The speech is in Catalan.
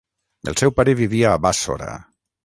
El seu pare vivia a Bàssora.